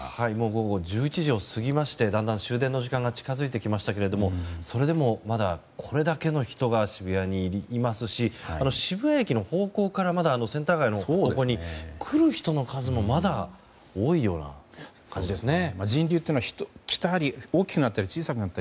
午後１１時を過ぎましてだんだん終電の時間が近づいてきましたけどもそれでもまだ、これだけの人が渋谷にいますし渋谷駅の方向からまだ、センター街の方向へ来る人の数もまだ多いような感じですね。